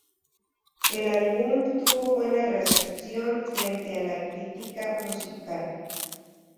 El álbum tuvo buena recepción frente a la crítica musical.